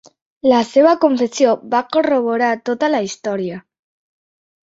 La seva confessió va corroborar tota la història.